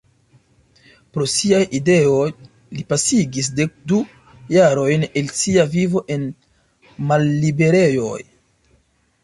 Pro siaj ideoj li pasigis dekdu jarojn el sia vivo en malliberejoj.